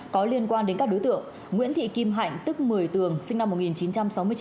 có liên quan đến các đối tượng nguyễn thị kim hạnh tức một mươi tường sinh năm một nghìn chín trăm sáu mươi chín